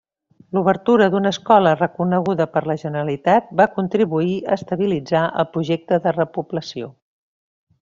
L'obertura d'una escola reconeguda per la Generalitat va contribuir a estabilitzar el projecte de repoblació.